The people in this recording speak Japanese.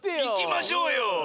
いきましょうよ。